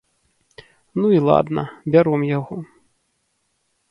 Ну і ладна, бяром яго.